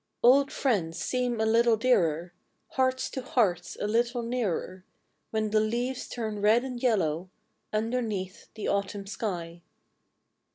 d Old 'friends seem a little dearer; Hearts to Hearts a little nearer, ( ADhen the leases turn red and Ljello^ Underneath the Autumn shij.